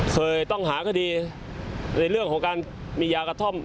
เคยต้องหาคดีในเรื่องของการมียากระท่อม